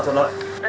em chào anh ạ